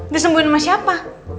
disembuhin sama siapa